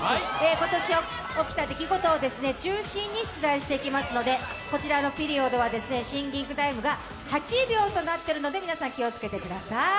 今年起きた出来事を中心に出題していきますのでこちらのピリオドはシンキングタイムが８秒となっているので、皆さん、気をつけてください。